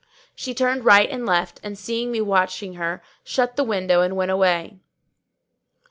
[FN#603] She turned right and left and, seeing me watching her, shut the window and went away.